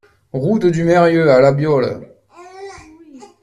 Route du Meyrieux à La Biolle